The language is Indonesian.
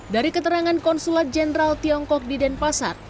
dari keterangan konsulat jenderal tiongkok di denpasar